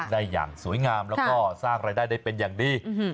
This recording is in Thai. ได้อย่างสวยงามแล้วก็สร้างรายได้ได้เป็นอย่างดี